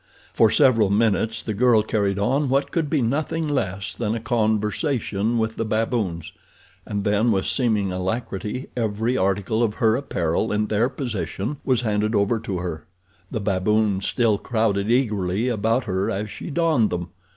For several minutes the girl carried on what could be nothing less than a conversation with the baboons, and then with seeming alacrity every article of her apparel in their possession was handed over to her. The baboons still crowded eagerly about her as she donned them.